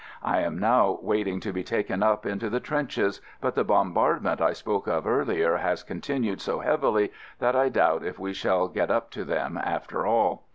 I am now wait ing to be taken up into the trenches, but the bombardment I spoke of earlier has continued so heavily that I doubt if we shall get up to them after all.